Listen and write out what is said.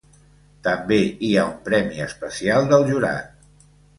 També hi ha un premi especial del jurat.